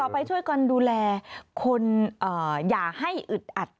ไปช่วยกันดูแลคนอย่าให้อึดอัด